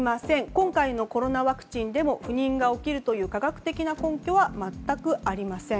今回のコロナワクチンでも不妊が起きるという科学的な根拠は全くありません。